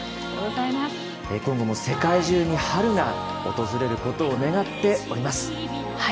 今後も世界中に春が訪れることを願っております。